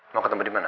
mau ketemu dimana